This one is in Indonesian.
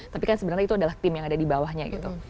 tapi kan sebenarnya itu adalah tim yang ada di bawahnya gitu